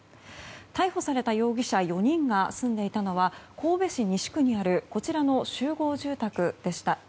逮捕された容疑者４人が住んでいたのは神戸市西区にあるこちらの集合住宅でした。